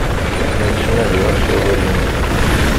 La ttnadiɣ asawal-inu.